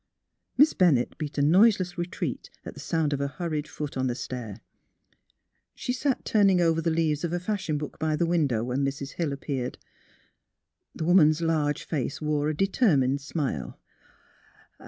Miss Bennett beat a noiseless retreat at sound of a hurried foot on the stair. She sat turning WHERE IS SYLVIA? 193 over the leaves of a fashion book by the window when Mrs. Hill appeared. The woman's large face wore a determined smile.